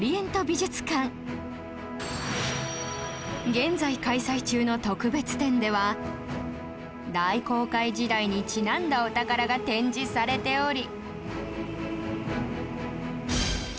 現在開催中の特別展では大航海時代にちなんだお宝が展示されており